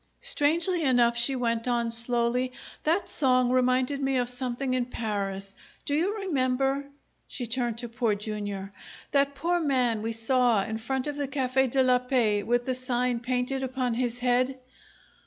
"Strangely enough," she went on, slowly, "that song reminded me of something in Paris. Do you remember" she turned to Poor Jr. "that poor man we saw in front of the Cafe' de la Paix with the sign painted upon his head?"